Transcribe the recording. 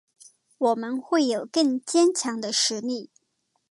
我们会有更坚强的实力